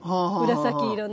紫色の。